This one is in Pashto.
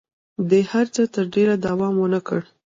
دې هر څه تر ډېره دوام ونه کړ.